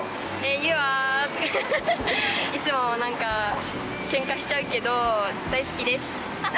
ユアいつもなんかケンカしちゃうけど大好きです。